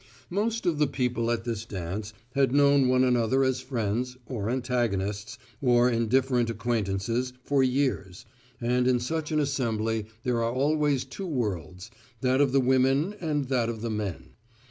Most of the people at this dance had known one another as friends, or antagonists, or indifferent acquaintances, for years, and in such an assembly there are always two worlds, that of the women and that of the men.